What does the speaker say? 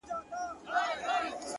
• هري ښځي ته روپۍ یې وې منلي ,